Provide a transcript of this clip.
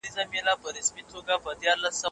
د ميرمنو په مابين کي د انصاف تله څنګه ساتل کيږي؟